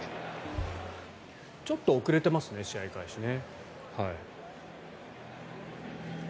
ちょっと遅れてますね試合開始ね。